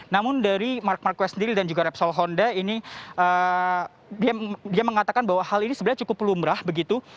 namun dari mark marquez sendiri dan juga repsol honda ini dia mengatakan bahwa hal ini sebenarnya cukup lumrah begitu